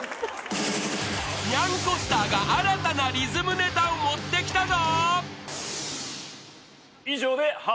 ［にゃんこスターが新たなリズムネタを持ってきたぞ］